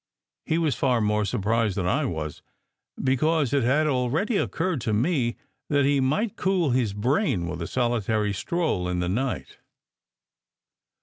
He was far more surprised than I was, because it had already occurred to me that he might cool his brain with a solitary stroll in the night.